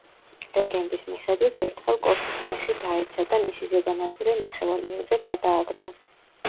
ლეგენდის მიხედვით, ერთხელ კოშკს მეხი დაეცა და მისი ზედა ნაწილი ნახევარ მილზე გადააგდო.